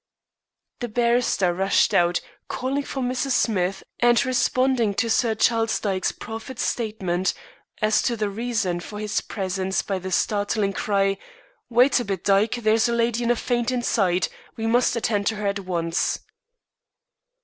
The barrister rushed out, calling for Mrs. Smith, and responding to Sir Charles Dyke's proffered statement as to the reason for his presence by the startling cry: "Wait a bit, Dyke. There's a lady in a faint inside. We must attend to her at once."